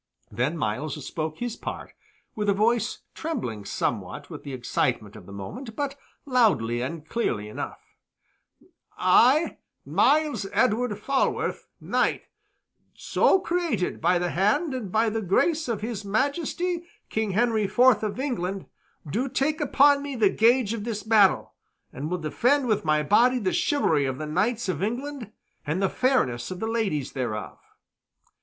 Then Myles spoke his part, with a voice trembling somewhat with the excitement of the moment, but loudly and clearly enough: "I, Myles Edward Falworth, knight, so created by the hand and by the grace of his Majesty King Henry IV of England, do take upon me the gage of this battle, and will defend with my body the chivalry of the knights of England and the fairness of the ladies thereof!"